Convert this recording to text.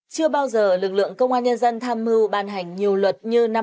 chưa bao giờ một lực lượng công an nhân dân đã tham mưu ban hành nhiều luật như năm hai nghìn hai mươi ba